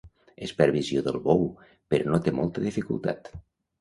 Es perd visió del bou però no té molta dificultat.